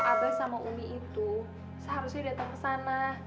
muka abah sama umi itu seharusnya datang kesana